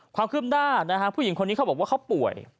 ความคืบหน้านะฮะผู้หญิงคนนี้เขาบอกว่าเขาป่วย